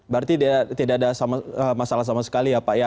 berarti tidak ada masalah sama sekali ya pak ya